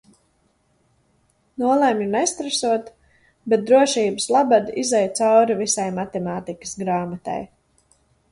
Nolemju nestresot, bet drošības labad izeju cauri visai matemātikas grāmatai.